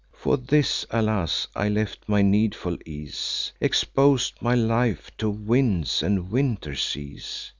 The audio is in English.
For this, alas! I left my needful ease, Expos'd my life to winds and winter seas!